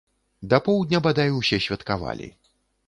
Да поўдня бадай усе святкавалі.